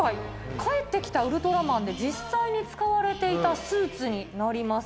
『帰ってきたウルトラマン』で実際に使われていたスーツになります。